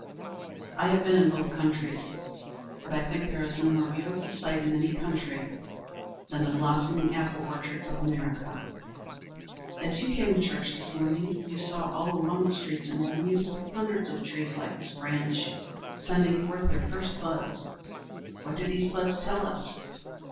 I have been in both countries, but I think there is no more beautiful sight in any country than the blossoming apple orchards of America. As you came to church this morning you saw all along the streets and avenues hundreds of trees like this branch, sending forth their first buds. What do these buds tell us?